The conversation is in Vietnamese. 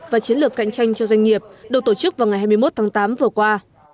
và chiến lược cạnh tranh cho doanh nghiệp được tổ chức vào ngày hai mươi một tháng tám vừa qua